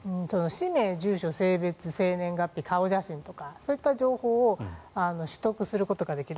氏名、住所性別、生年月日顔写真とか、そういった情報を取得することができる。